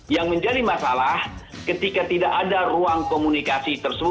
yang menjadi masalah ketika tidak ada ruang komunikasi tersebut